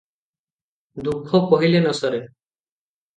ଦୁଃଖ କହିଲେ ନ ସରେ ।